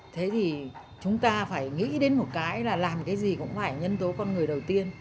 thế thì chúng ta phải nghĩ đến một cái là làm cái gì cũng phải nhân tố con người đầu tiên